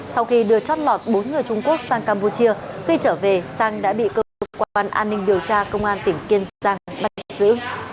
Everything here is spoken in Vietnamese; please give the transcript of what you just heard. sau khi đưa chót lọt bốn người trung quốc sang campuchia khi trở về sang đã bị cơ quan an ninh điều tra công an tỉnh kiên giang bắt giữ